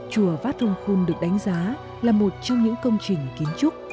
chùa vát rồng khôn được đánh giá là một trong những công trình kiến trúc